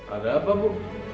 ada apa bu